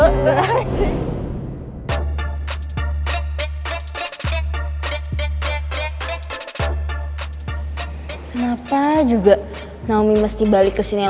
kenapa juga naomi mesti balik kesini lagi sih